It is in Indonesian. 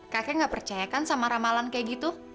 kakek nggak percayakan sama ramalan kayak gitu